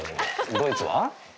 ドイツは？